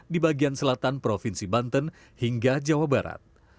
di bagian selatan provinsi banten hingga jawa barat